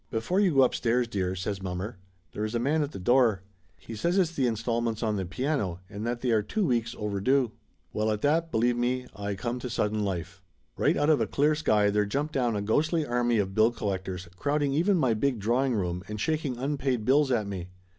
"Before you go upstairs, dear," says mommer "there is a man at the door. He says it's the install ments on the piano, and that they are two weeks over due." 262 Laughter Limited Well at that, believe me I come to sudden life. Right out of a clear sky there jumped down a ghostly army of bill collectors, crowding even my big drawing room and shaking unpaid bills at me.